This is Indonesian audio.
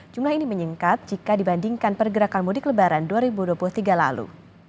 jumlah ini meningkat jika dibandingkan pergerakan mudik lebaran dua ribu dua puluh tiga lalu